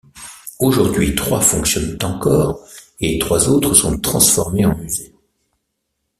Aujourd'hui, trois fonctionnent encore et trois autres sont transformés en musées.